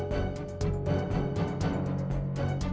tante sadar tante